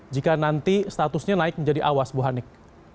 jika nanti statusnya naik menjadi awas bu hanik